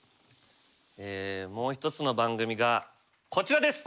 もう一つの番組がこちらです。